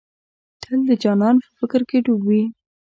تل د جانان په فکر ډوب وې.